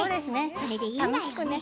それでいいよね